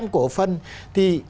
cổ phần thì